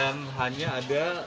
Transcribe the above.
dan hanya ada